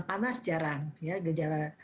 panas jarang ya gejala